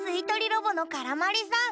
ロボのからまりさん。